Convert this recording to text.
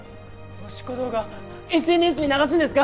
おしっこ動画ＳＮＳに流すんですか？